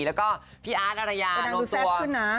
แล้วก็พี่อาร์ดอารยารวมตัว